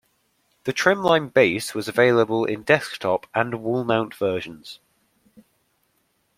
The Trimline base was available in desk-top and wall-mount versions.